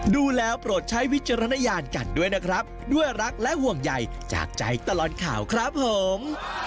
ดูแล้วโปรดใช้วิจารณญาณกันด้วยนะครับด้วยรักและห่วงใหญ่จากใจตลอดข่าวครับผม